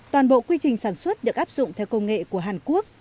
toàn bộ quy trình sản xuất được áp dụng theo công nghệ của hàn quốc